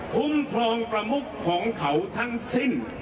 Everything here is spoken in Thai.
คุ้มครองประมุขของเขาทั้งสิ้น